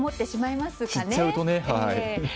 知っちゃうとね。